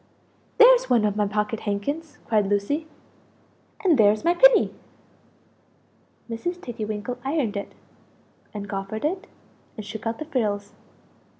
"There's one of my pocket handkins!" cried Lucie "and there's my pinny!" Mrs. Tiggy winkle ironed it, and goffered it, and shook out the frills.